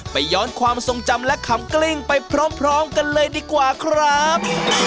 ย้อนความทรงจำและขำกลิ้งไปพร้อมกันเลยดีกว่าครับ